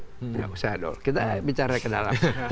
tidak usah dong kita bicara ke dalam